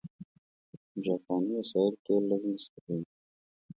جاپاني وسایل تېل لږ مصرفوي.